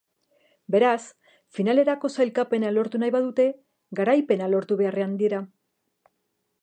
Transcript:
Beraz, finalerako sailkapena lortu nahi badute garaipena lortu beharrean dira.